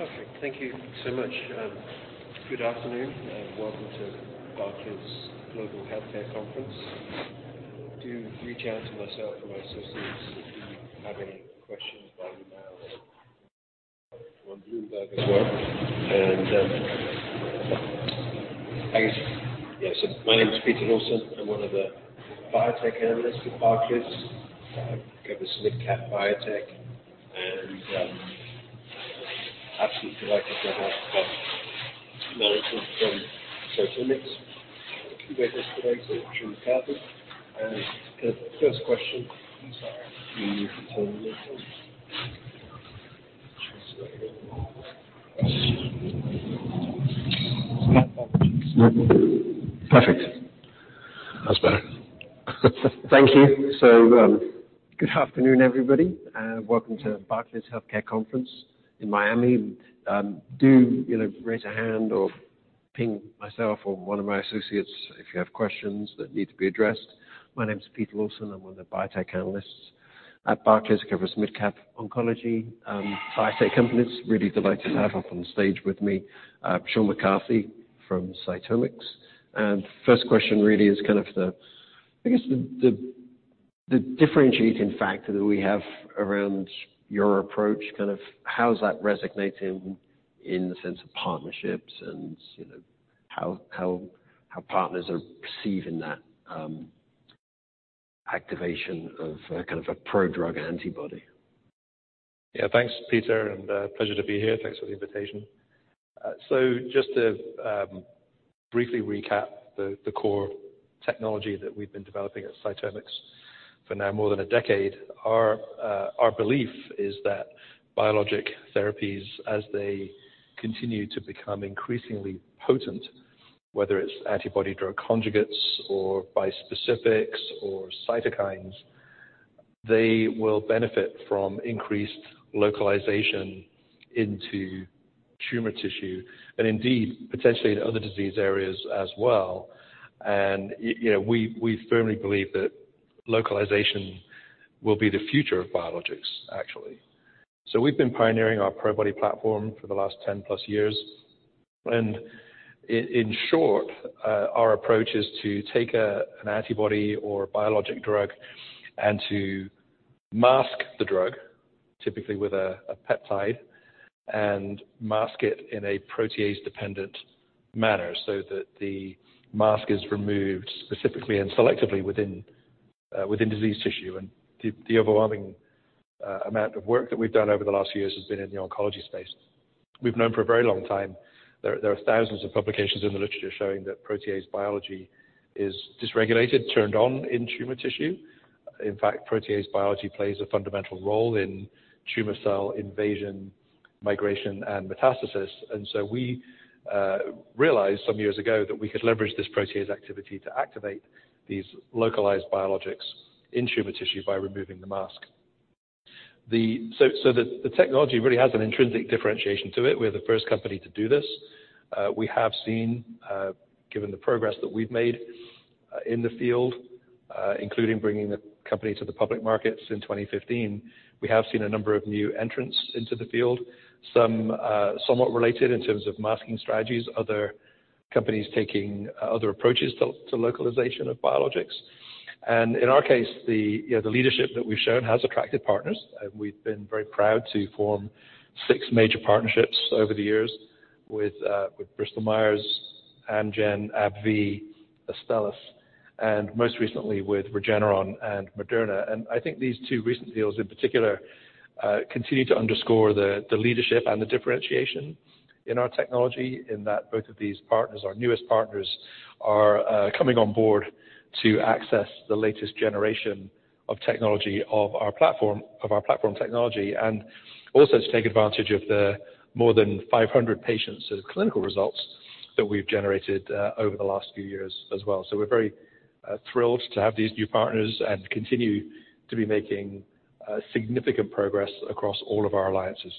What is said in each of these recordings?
Okay, thank you so much. Good afternoon and welcome to Barclays Global Healthcare Conference. Do reach out to myself or my associates if you have any questions by email on Bloomberg as well. I guess, yeah. My name is Peter Lawson. I'm one of the biotech analysts with Barclays. I cover mid-cap biotech, absolutely delighted to have management from CytomX with us today. Sean McCarthy. The first question is Perfect. That's better. Thank you. Good afternoon, everybody, and welcome to Barclays Healthcare Conference in Miami. Do, you know, raise a hand or ping myself or one of my associates if you have questions that need to be addressed. My name is Peter Lawson. I'm one of the biotech analysts at Barclays, cover mid-cap oncology, biotech companies. Really delighted to have up on stage with me, Sean McCarthy from CytomX. First question really is kind of the differentiating factor that we have around your approach, kind of how is that resonating in the sense of partnerships and, you know, how partners are perceiving that activation of a kind of a prodrug antibody? Yeah. Thanks, Peter, pleasure to be here. Thanks for the invitation. Just to briefly recap the core technology that we've been developing at CytomX for now more than a decade. Our belief is that biologic therapies, as they continue to become increasingly potent, whether it's antibody drug conjugates or bispecifics or cytokines, they will benefit from increased localization into tumor tissue and indeed potentially in other disease areas as well. You know, we firmly believe that localization will be the future of biologics, actually. We've been pioneering our Probody platform for the last 10 plus years. In short, our approach is to take an antibody or a biologic drug and to mask the drug, typically with a peptide, and mask it in a protease-dependent manner so that the mask is removed specifically and selectively within disease tissue. The overwhelming amount of work that we've done over the last few years has been in the oncology space. We've known for a very long time there are thousands of publications in the literature showing that protease biology is dysregulated, turned on in tumor tissue. In fact, protease biology plays a fundamental role in tumor cell invasion, migration, and metastasis. We realized some years ago that we could leverage this protease activity to activate these localized biologics in tumor tissue by removing the mask. The technology really has an intrinsic differentiation to it. We're the first company to do this. We have seen, given the progress that we've made in the field, including bringing the company to the public markets in 2015, we have seen a number of new entrants into the field, some somewhat related in terms of masking strategies, other companies taking other approaches to localization of biologics. In our case, you know, the leadership that we've shown has attracted partners. We've been very proud to form six major partnerships over the years with Bristol Myers, Amgen, AbbVie, Astellas, and most recently with Regeneron and Moderna. I think these two recent deals in particular, continue to underscore the leadership and the differentiation in our technology in that both of these partners, our newest partners, are coming on board to access the latest generation of technology of our platform, of our platform technology, and also to take advantage of the more than 500 patients of clinical results that we've generated over the last few years as well. We're very thrilled to have these new partners and continue to be making significant progress across all of our alliances.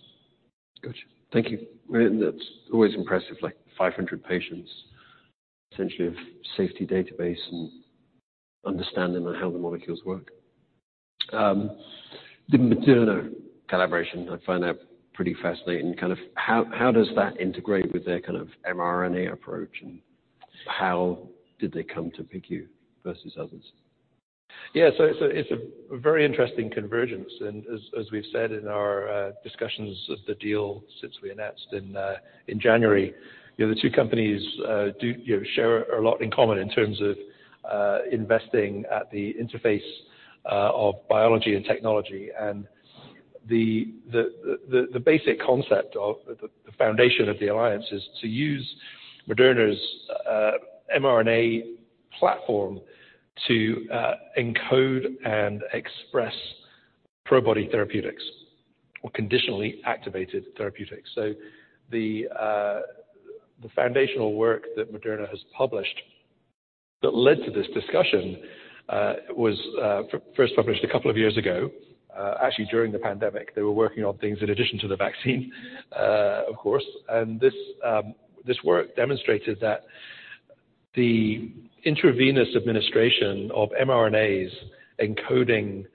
Gotcha. Thank you. That's always impressive, like 500 patients, essentially a safety database and understanding on how the molecules work. The Moderna collaboration, I find that pretty fascinating. Kind of how does that integrate with their kind of mRNA approach, and how did they come to pick you versus others? It's a very interesting convergence. As we've said in our discussions of the deal since we announced in January, you know, the two companies do, you know, share a lot in common in terms of investing at the interface of biology and technology. The basic concept of the foundation of the alliance is to use Moderna's mRNA platform to encode and express Probody therapeutics or conditionally activated therapeutics. The foundational work that Moderna has published that led to this discussion was first published a couple of years ago. Actually, during the pandemic, they were working on things in addition to the vaccine of course. This work demonstrated that the intravenous administration of mRNAs encoding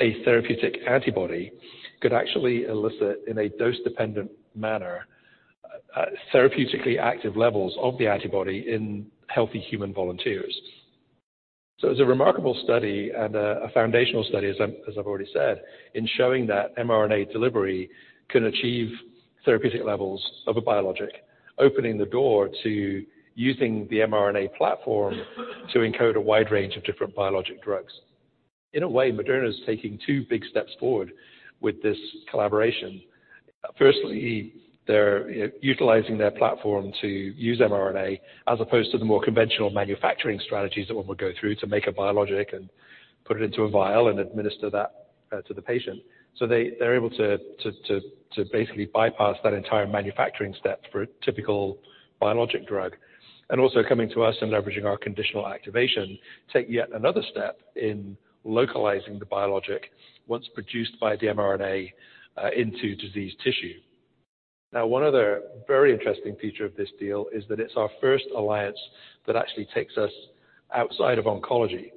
a therapeutic antibody could actually elicit, in a dose-dependent manner, therapeutically active levels of the antibody in healthy human volunteers. It's a remarkable study and a foundational study, as I've already said, in showing that mRNA delivery can achieve therapeutic levels of a biologic, opening the door to using the mRNA platform to encode a wide range of different biologic drugs. In a way, Moderna is taking two big steps forward with this collaboration. Firstly, they're utilizing their platform to use mRNA as opposed to the more conventional manufacturing strategies that one would go through to make a biologic and put it into a vial and administer that to the patient. They're able to basically bypass that entire manufacturing step for a typical biologic drug. Also coming to us and leveraging our conditional activation, take yet another step in localizing the biologic once produced by the mRNA into disease tissue. Now, one other very interesting feature of this deal is that it's our first alliance that actually takes us outside of oncology.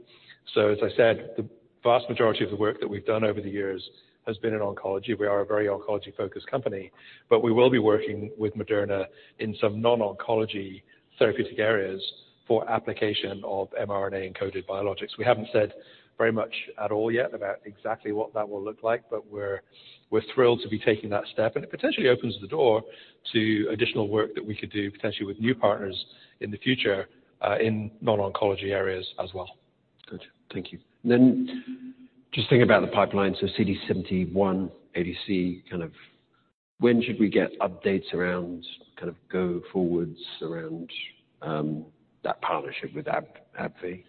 As I said, the vast majority of the work that we've done over the years has been in oncology. We are a very oncology-focused company, but we will be working with Moderna in some non-oncology therapeutic areas for application of mRNA-encoded biologics. We haven't said very much at all yet about exactly what that will look like, but we're thrilled to be taking that step, and it potentially opens the door to additional work that we could do potentially with new partners in the future in non-oncology areas as well. Good. Thank you. Just thinking about the pipeline, CD71 ADC, kind of when should we get updates around kind of go forwards around that partnership with AbbVie?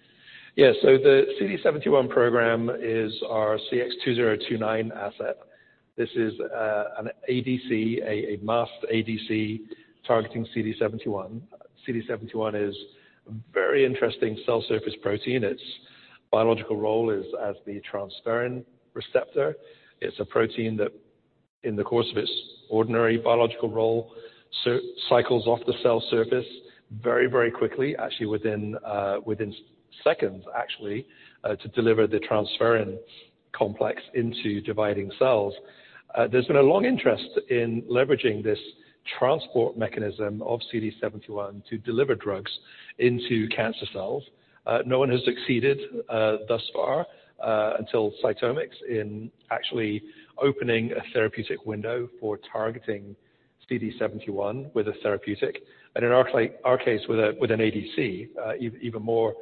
Yeah. The CD71 program is our CX-2029 asset. This is an ADC, a masked ADC targeting CD71. CD71 is very interesting cell surface protein. Its biological role is as the transferrin receptor. It's a protein that in the course of its ordinary biological role, cycles off the cell surface very, very quickly, actually within seconds, actually, to deliver the transferrin complex into dividing cells. No one has succeeded thus far until CytomX in actually opening a therapeutic window for targeting CD71 with a therapeutic, and in our case, with an ADC, even more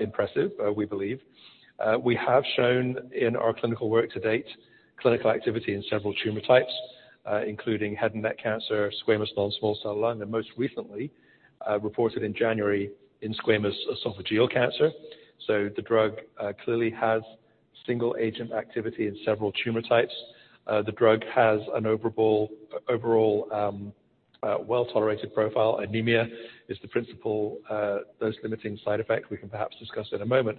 impressive, we believe. We have shown in our clinical work to date clinical activity in several tumor types, including head and neck cancer, squamous non-small cell lung, and most recently, reported in January in squamous esophageal cancer. The drug clearly has single agent activity in several tumor types. The drug has an overall well-tolerated profile. Anemia is the principal dose-limiting side effect we can perhaps discuss in a moment.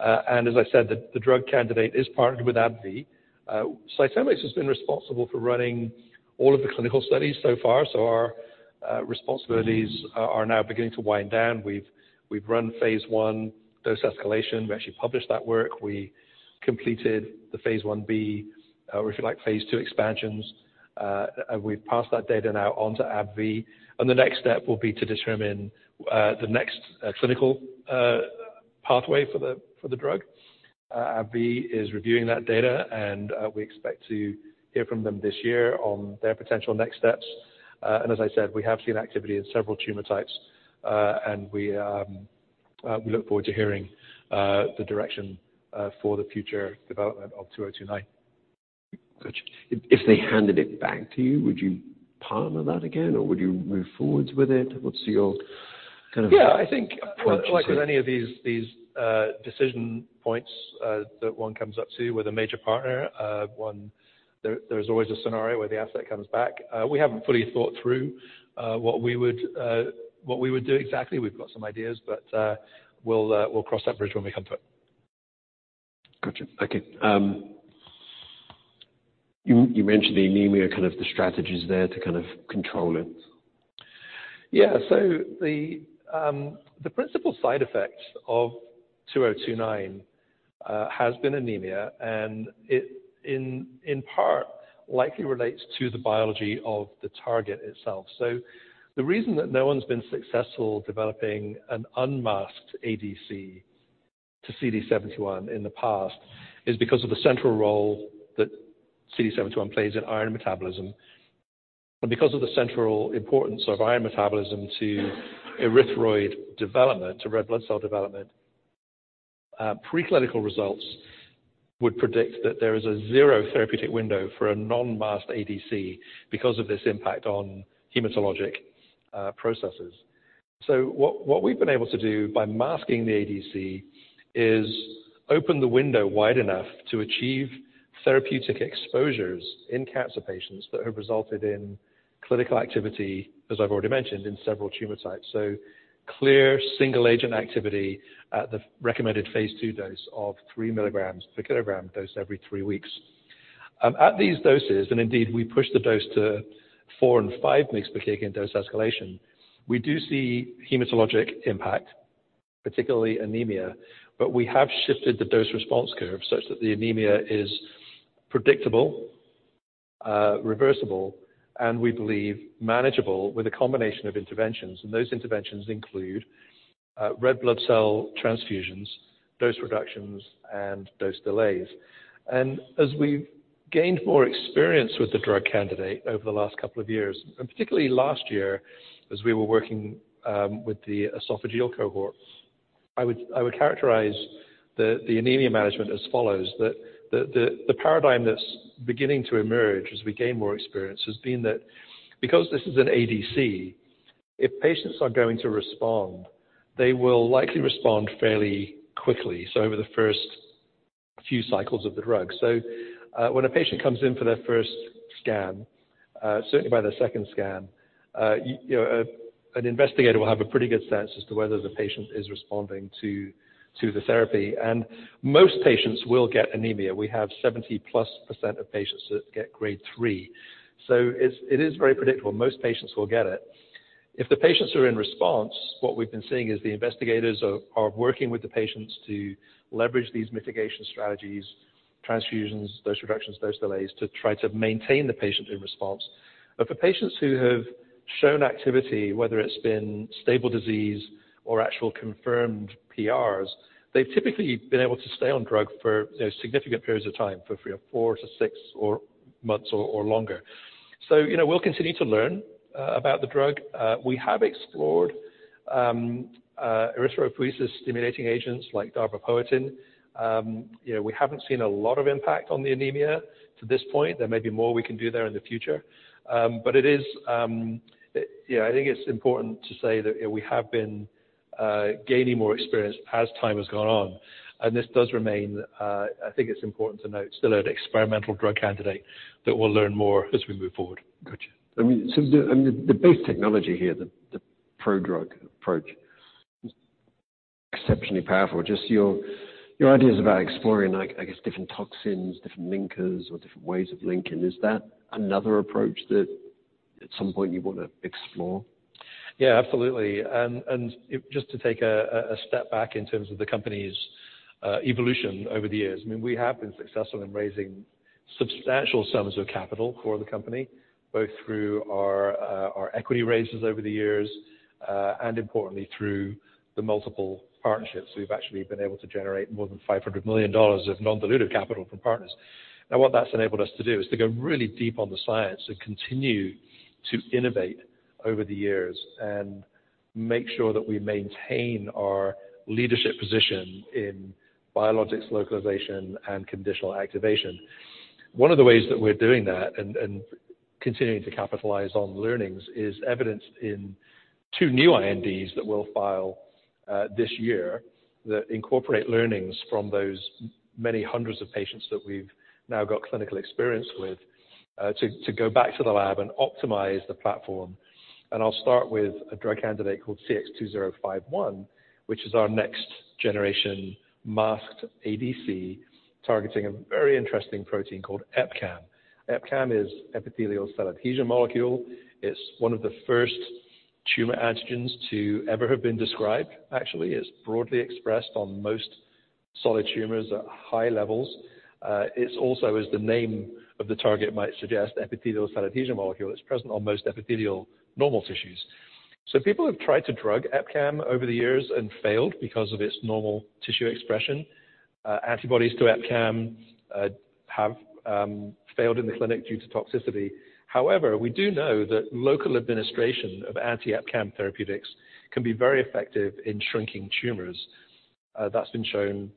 As I said, the drug candidate is partnered with AbbVie. CytomX has been responsible for running all of the clinical studies so far, so our responsibilities are now beginning to wind down. We've run phase one dose escalation. We actually published that work. We completed the phase I-B, or if you like, phase II expansions. We've passed that data now on to AbbVie. The next step will be to determine the next clinical pathway for the drug. AbbVie is reviewing that data. We expect to hear from them this year on their potential next steps. As I said, we have seen activity in several tumor types. We look forward to hearing the direction for the future development of two oh two nine. Gotcha. If they handed it back to you, would you partner that again or would you move forwards with it? What's your kind of approach to- Yeah, I think like with any of these decision points that one comes up to with a major partner. There's always a scenario where the asset comes back. We haven't fully thought through what we would do exactly. We've got some ideas, but we'll cross that bridge when we come to it. Gotcha. Okay. You mentioned the anemia, kind of the strategies there to kind of control it. Yeah. The principal side effect of CX-2029 has been anemia, and it in part likely relates to the biology of the target itself. The reason that no one's been successful developing an unmasked ADC to CD71 in the past is because of the central role that CD71 plays in iron metabolism. Because of the central importance of iron metabolism to erythroid development, to red blood cell development, preclinical results would predict that there is a zero therapeutic window for a non-masked ADC because of this impact on hematologic processes. What we've been able to do by masking the ADC is open the window wide enough to achieve therapeutic exposures in cancer patients that have resulted in clinical activity, as I've already mentioned, in several tumor types. Clear single agent activity at the recommended phase II dose of 3 mg per kg dosed every three weeks. At these doses, and indeed, we push the dose to 4 and 5 mgs per kg in dose escalation, we do see hematologic impact, particularly anemia, but we have shifted the dose response curve such that the anemia is predictable, reversible, and we believe manageable with a combination of interventions. Those interventions include red blood cell transfusions, dose reductions, and dose delays. As we've gained more experience with the drug candidate over the last couple of years, and particularly last year, as we were working with the esophageal cohort, I would characterize the anemia management as follows. That the paradigm that's beginning to emerge as we gain more experience has been that because this is an ADC, if patients are going to respond, they will likely respond fairly quickly, so over the first few cycles of the drug. When a patient comes in for their first scan, certainly by their second scan, you know, an investigator will have a pretty good sense as to whether the patient is responding to the therapy. Most patients will get anemia. We have 70%+ of patients that get grade three. It is very predictable. Most patients will get it. If the patients are in response, what we've been seeing is the investigators are working with the patients to leverage these mitigation strategies, transfusions, dose reductions, dose delays, to try to maintain the patient in response. For patients who have shown activity, whether it's been stable disease or actual confirmed PRs, they've typically been able to stay on drug for, you know, significant periods of time, for three or four to six months or longer. You know, we'll continue to learn about the drug. We have explored erythropoiesis-stimulating agents like darbepoetin. You know, we haven't seen a lot of impact on the anemia to this point. There may be more we can do there in the future. It is, yeah, I think it's important to say that, you know, we have been gaining more experience as time has gone on, and this does remain, I think it's important to note, still an experimental drug candidate that we'll learn more as we move forward. Gotcha. I mean, the base technology here, the pro-drug approach is exceptionally powerful. Just your ideas about exploring, like, I guess, different toxins, different linkers, or different ways of linking. Is that another approach that at some point you wanna explore? Absolutely. Just to take a step back in terms of the company's evolution over the years. I mean, we have been successful in raising substantial sums of capital for the company, both through our equity raises over the years, and importantly, through the multiple partnerships. We've actually been able to generate more than $500 million of non-dilutive capital from partners. What that's enabled us to do is to go really deep on the science and continue to innovate over the years and make sure that we maintain our leadership position in biologics localization and conditional activation. One of the ways that we're doing that and continuing to capitalize on learnings is evidenced in two new INDs that we'll file this year that incorporate learnings from those many hundreds of patients that we've now got clinical experience with to go back to the lab and optimize the platform. I'll start with a drug candidate called CX-2051, which is our next-generation masked ADC targeting a very interesting protein called EpCAM. EpCAM is epithelial cell adhesion molecule. It's one of the first tumor antigens to ever have been described, actually. It's broadly expressed on most solid tumors at high levels. It's also, as the name of the target might suggest, epithelial cell adhesion molecule. It's present on most epithelial normal tissues. People have tried to drug EpCAM over the years and failed because of its normal tissue expression. Antibodies to EpCAM have failed in the clinic due to toxicity. However, we do know that local administration of anti-EpCAM therapeutics can be very effective in shrinking tumors. That's been shown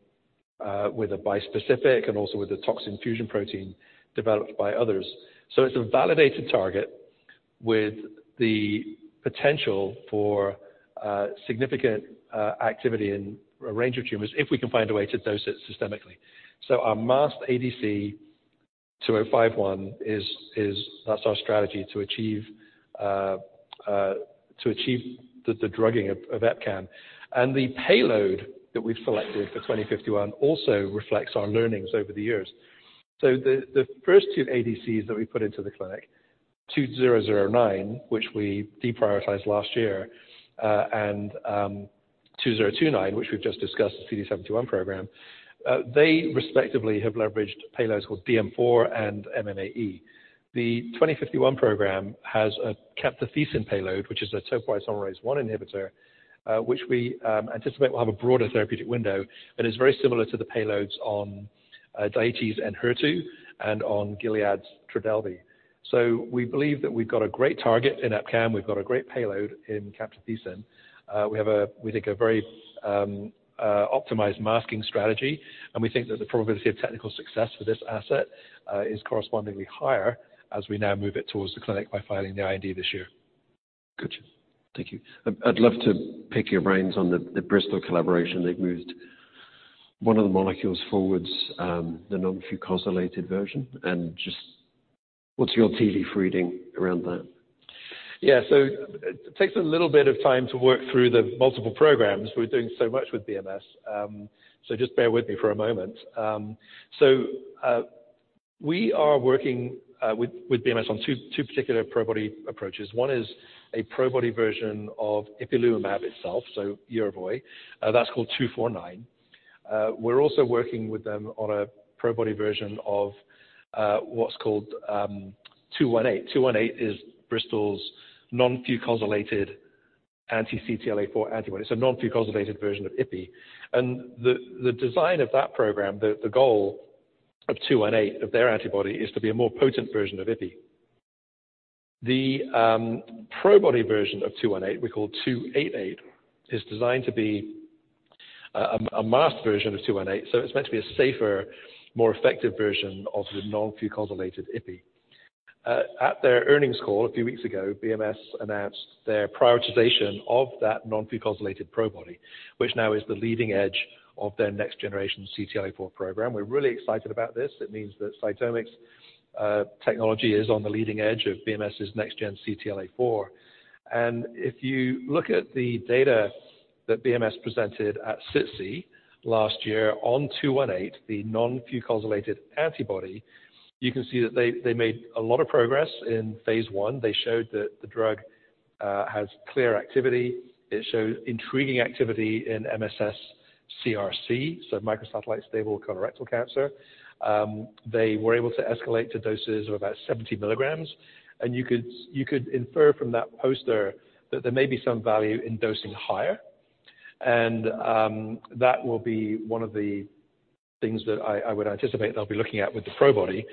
with a bispecific and also with a toxin fusion protein developed by others. It's a validated target with the potential for significant activity in a range of tumors if we can find a way to dose it systemically. Our masked ADC-2051 is that's our strategy to achieve the drugging of EpCAM. The payload that we've selected for 2051 also reflects our learnings over the years. The first two ADCs that we put into the clinic, 2009, which we deprioritized last year, and 2029, which we've just discussed, the CD71 program, they respectively have leveraged payloads called DM4 and MMAE. The 2051 program has a camptothecin payload, which is a topoisomerase I inhibitor, which we anticipate will have a broader therapeutic window, but is very similar to the payloads on Daiichi's Enhertu and on Gilead's Trodelvy. We believe that we've got a great target in EpCAM. We've got a great payload in camptothecin. We have a, we think, a very optimized masking strategy, and we think that the probability of technical success for this asset is correspondingly higher as we now move it towards the clinic by filing the IND this year. Gotcha. Thank you. I'd love to pick your brains on the Bristol collaboration. They've moved one of the molecules forwards, the non-fucosylated version. What's your TL reading around that? It takes a little bit of time to work through the multiple programs. We're doing so much with BMS, just bear with me for a moment. We are working with BMS on two particular Probody approaches. One is a Probody version of ipilimumab itself, so Yervoy. That's called BMS-986249. We're also working with them on a Probody version of what's called BMS-986218. BMS-986218 is Bristol's non-fucosylated anti-CTLA-4 antibody. It's a non-fucosylated version of ipilimumab. The design of that program, the goal of BMS-986218 of their antibody, is to be a more potent version of ipilimumab. The Probody version of 218, we call 288, is designed to be a masked version of 218, so it's meant to be a safer, more effective version of the non-fucosylated ipilimumab. At their earnings call a few weeks ago, BMS announced their prioritization of that non-fucosylated Probody, which now is the leading edge of their next-generation CTLA-4 program. We're really excited about this. It means that CytomX technology is on the leading edge of BMS' next gen CTLA-4. If you look at the data that BMS presented at SITC last year on 218, the non-fucosylated antibody, you can see that they made a lot of progress in phase I. They showed that the drug has clear activity. It showed intriguing activity in MSS-CRC, so microsatellite stable colorectal cancer. They were able to escalate to doses of about 70 milligrams. You could infer from that poster that there may be some value in dosing higher. That will be one of the things that I would anticipate they'll be looking at with the Probody.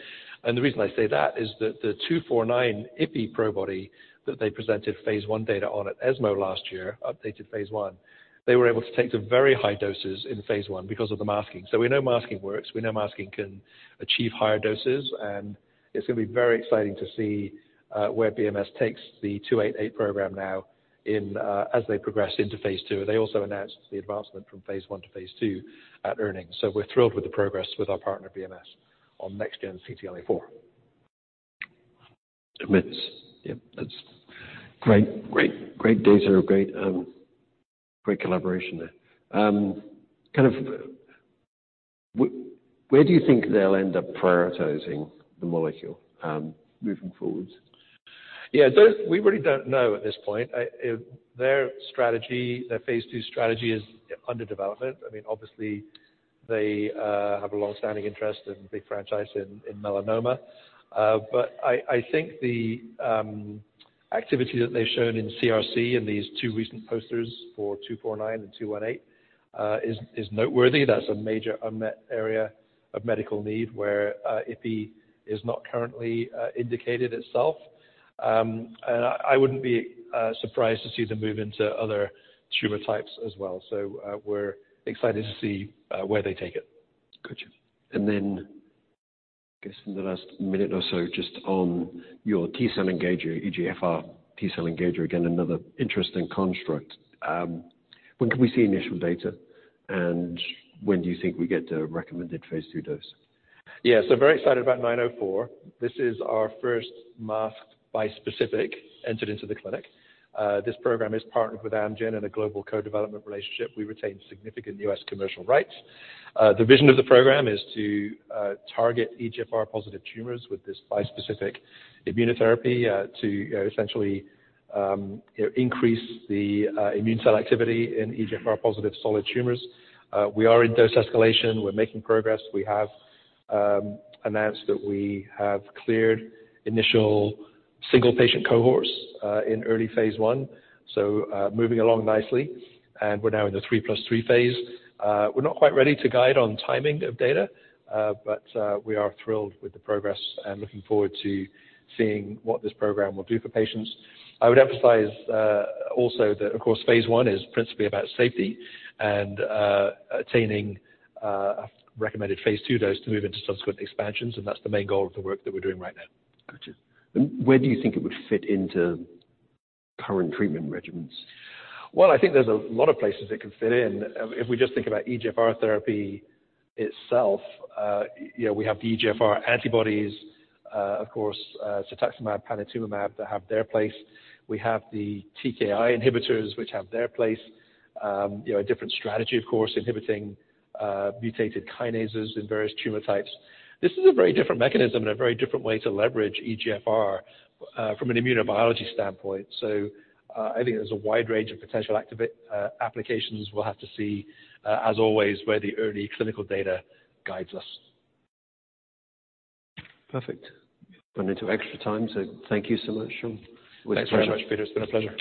The reason I say that is that the 249 ipilimumab Probody that they presented phase one data on at ESMO last year, updated phase one, they were able to take to very high doses in phase one because of the masking. We know masking works. We know masking can achieve higher doses, and it's gonna be very exciting to see where BMS takes the 288 program now as they progress into phase two. They also announced the advancement from phase one to phase two at earnings. We're thrilled with the progress with our partner BMS on next gen CTLA-4. Commence. Yep, that's great, great data. Great, great collaboration there. Kind of where do you think they'll end up prioritizing the molecule, moving forward? Yeah. We really don't know at this point. Their strategy, their phase II strategy is under development. I mean, obviously they have a long-standing interest in big franchise in melanoma. I think the activity that they've shown in CRC in these two recent posters for 249 and 218, is noteworthy. That's a major unmet area of medical need where ipilimumab is not currently indicated itself. I wouldn't be surprised to see them move into other tumor types as well. We're excited to see where they take it. Gotcha. Then guess in the last minute or so, just on your T-cell engager, EGFR T-cell engager, again, another interesting construct. When can we see initial data, and when do you think we get a recommended phase II dose? Very excited about CX-904. This is our first masked bispecific entered into the clinic. This program is partnered with Amgen in a global co-development relationship. We retain significant U.S. commercial rights. The vision of the program is to target EGFR-positive tumors with this bispecific immunotherapy to essentially increase the immune cell activity in EGFR-positive solid tumors. We are in dose escalation. We're making progress. We have announced that we have cleared initial single-patient cohorts in early phase I, so moving along nicely, and we're now in the 3+3 phase. We're not quite ready to guide on timing of data, but we are thrilled with the progress and looking forward to seeing what this program will do for patients. I would emphasize, also that, of course, phase I is principally about safety and attaining a recommended phase II dose to move into subsequent expansions, and that's the main goal of the work that we're doing right now. Gotcha. Where do you think it would fit into current treatment regimens? Well, I think there's a lot of places it can fit in. If we just think about EGFR therapy itself, you know, we have the EGFR antibodies, of course, cetuximab, panitumumab, that have their place. We have the TKI inhibitors, which have their place. You know, a different strategy, of course, inhibiting, mutated kinases in various tumor types. This is a very different mechanism and a very different way to leverage EGFR, from an immunobiology standpoint. I think there's a wide range of potential applications. We'll have to see, as always, where the early clinical data guides us. Perfect. Gone into extra time, so thank you so much. With pleasure. Thanks very much, Peter. It's been a pleasure.